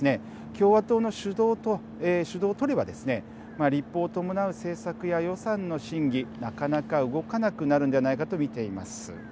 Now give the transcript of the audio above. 共和党の主導を取ればですね立法を伴う政策や予算の審議なかなか動かなくなるのではないかと見ています。